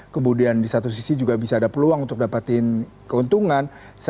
kemudian di satu sisi juga bisa ada peluang untuk mendapatkan keuntungan seandainya diekspor